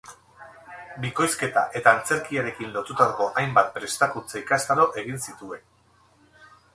Bikoizketa eta antzerkiarekin lotutako hainbat prestakuntza-ikastaro egin zituen.